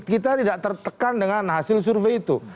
kita tidak tertekan dengan hasil survei itu